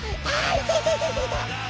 いたいたいたいたいた！